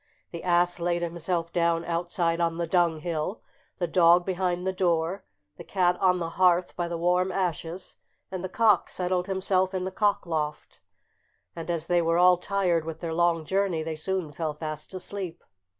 The ass laid himself down outside on the dunghill, the dog behind the door, the cat on the hearth by the warm ashes, and the cock settled himself in the cockloft, and as they were all tired with their long journey they soon fell fast asleep.